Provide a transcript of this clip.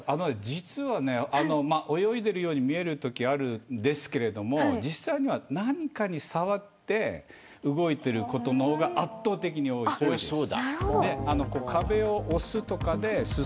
実は泳いでいるように見えるとき、あるんですけれど実際には何かに触って動いていることの方が圧倒的に多いです。